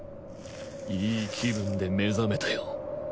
いい気分で目覚めたよ